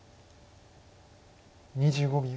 ２５秒。